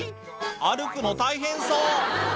歩くの大変そう